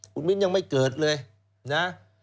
คุณมิ้นยังไม่เกิดเลยนะ